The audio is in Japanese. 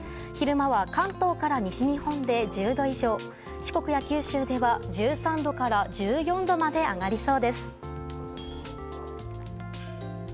昼間は関東から西日本で１０度以上、四国や九州では、１３度から１４度まで上がりそうです。